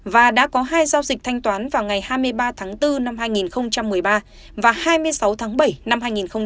và đã có hai giao dịch thanh toán vào ngày hai mươi ba tháng bốn năm hai nghìn một mươi ba và hai mươi sáu tháng bảy năm hai nghìn một mươi chín